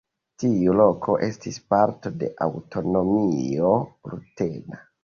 Tiu loko estis parto de aŭtonomio rutena.